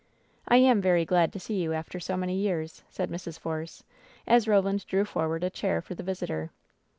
"I am very glad to see you after so many years," said Mrs. Force, as Roland drew forward a chair for the visitor.